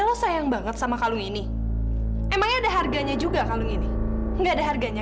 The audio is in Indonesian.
halo sayang banget sama kalung ini emangnya ada harganya juga kalung ini enggak ada harganya